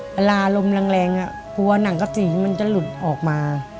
เวลาลมแรงฮัวหนังกะสีมันจะหลุดออกมา